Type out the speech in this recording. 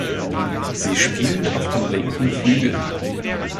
Sie spielt auf dem linken Flügel.